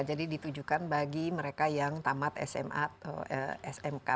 jadi ditujukan bagi mereka yang tamat sma atau smk